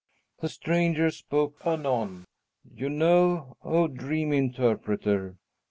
The stranger spoke anon: "You know, O Dream Interpreter!"